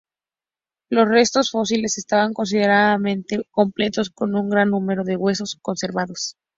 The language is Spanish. Los restos fósiles estaban considerablemente completos, con un gran número de huesos conservados.